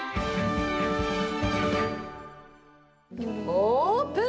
オープン！